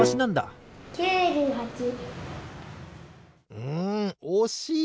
うんおしい！